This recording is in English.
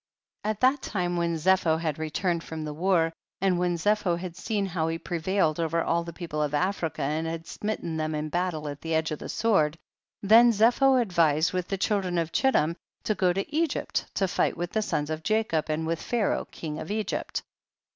7. At that time when Zepho had returned from the war, and when Zepho had seen how he prevailed over all the people of Africa and had smitten them in battle at the edge of the sword, then Zepho advised with the children of Chittim, to go to Egypt to fight with the sons of Jacob and with Pharaoh king of Egypt.